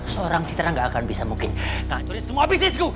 seorang citra gak akan bisa mungkin ngancurin semua bisnisku